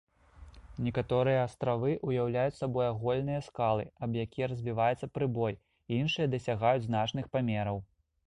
Некаторыя астравы ўяўляюць сабой аголеныя скалы, аб якія разбіваецца прыбой, іншыя дасягаюць значных памераў.